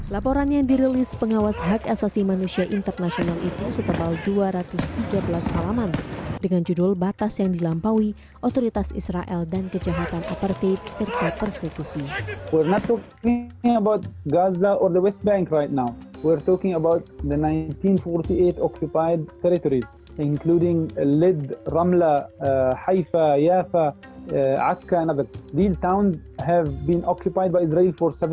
laporan yang dirilis pengawas hak asasi manusia internasional itu setembal dua ratus tiga belas halaman dengan judul batas yang dilampaui otoritas israel dan kejahatan apartheid serta persekusi